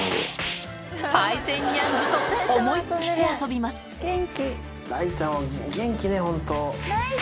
パイセンニャンズと思いっきし遊びます雷ちゃんは元気ねホント。